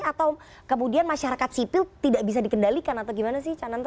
atau kemudian masyarakat sipil tidak bisa dikendalikan atau gimana sih cananto